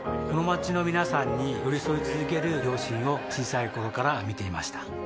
この街の皆さんに寄り添い続ける両親を小さい頃から見ていました